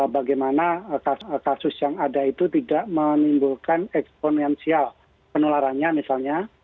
bagaimana kasus yang ada itu tidak menimbulkan eksponensial penularannya misalnya